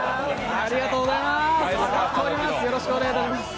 ありがとうございます。